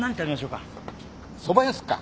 そば屋にすっか？